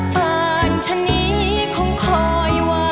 ปลานชะนีคงคอยว่า